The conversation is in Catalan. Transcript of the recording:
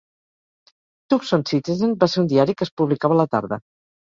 "Tucson Citizen": va ser un diari que es publicava a la tarda.